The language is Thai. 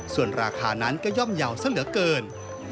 ส่วนราคานั้นก็ย่อมเยาว์ซะเหลือเกิน